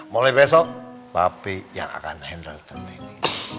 mulai besok pak pi yang akan handle centini